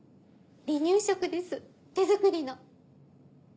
離乳食です手作りの。